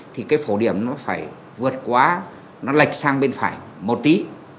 thì phổ điểm phải vượt quá nó lệch sang bên phải một tí